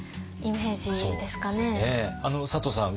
佐藤さん